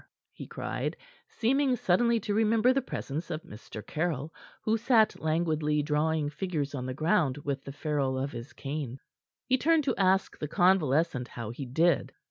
he cried, seeming suddenly to remember the presence of Mr. Caryll, who sat languidly drawing figures on the ground with the ferrule of his cane. He turned to ask the convalescent how he did.